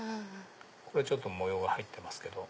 これ模様が入ってますけど。